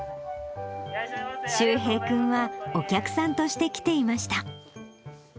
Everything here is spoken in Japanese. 柊平君は、お客さんとして来ていました。